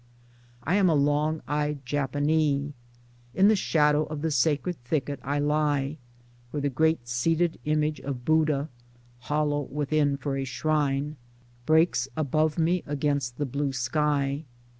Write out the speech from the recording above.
I am a long eyed Japanee. In the shadow of the sacred thicket I lie — where the great seated image of Buddha (hollow within for a shrine) breaks above me against the blue sky.